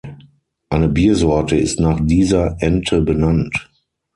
Eine Biersorte ist nach dieser Ente benannt.